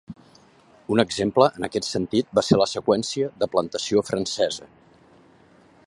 Un exemple en aquest sentit va ser la seqüència de plantació francesa.